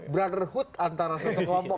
brotherhood antara satu kelompok